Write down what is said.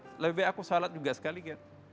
lebih lebih aku shalat juga sekali kan